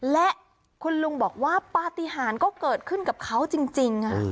และคุณลุงบอกว่าปฏิหารก็เกิดขึ้นกับเขาจริง